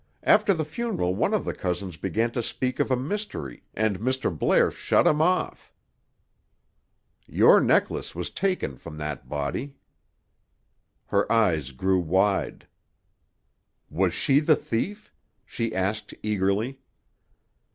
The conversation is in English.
After the funeral, one of the cousins began to speak of a mystery, and Mr. Blair shut him off." "Your necklace was taken from that body." Her eyes grew wide. "Was she the thief?" she asked eagerly.